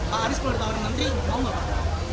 nah itu pak aris kalau ditawarkan menteri mau gak pak